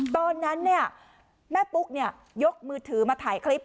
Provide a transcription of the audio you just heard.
ตอนนั้นเนี่ยแม่ปุ๊กเนี่ยยกมือถือมาถ่ายคลิป